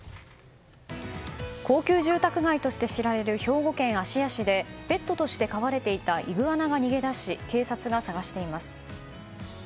高級住宅街として知られる兵庫県芦屋市でペットとして飼われていたイグアナが逃げ出し警察が捜しています。